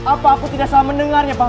apa aku tidak salah mendengarnya pak